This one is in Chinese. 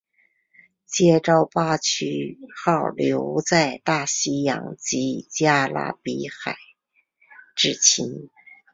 接着巴区号留在大西洋及加勒比海执勤。